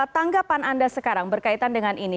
tanggapan anda sekarang berkaitan dengan ini